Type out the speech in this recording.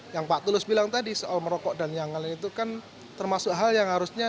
yang pak tulus bilang tadi soal merokok dan nyanggal itu kan termasuk hal yang harusnya